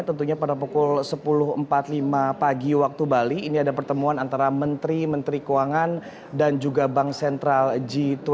tentunya pada pukul sepuluh empat puluh lima pagi waktu bali ini ada pertemuan antara menteri menteri keuangan dan juga bank sentral g dua puluh